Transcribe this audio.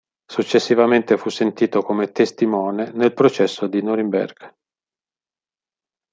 Successivamente fu sentito come testimone nel processo di Norimberga.